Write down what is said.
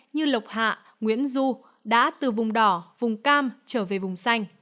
như lộc hạ nguyễn du đã từ vùng đỏ vùng cam trở về vùng xanh